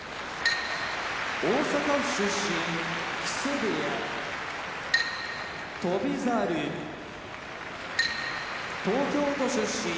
大阪府出身木瀬部屋翔猿東京都出身